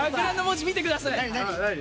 文字見てください。